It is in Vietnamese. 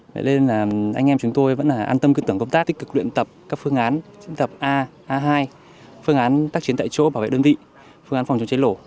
vậy nên là anh em chúng tôi vẫn là an tâm cư tưởng công tác tích cực luyện tập các phương án a a hai phương án tác chiến tại chỗ bảo vệ đơn vị phương án phòng chống cháy lỗ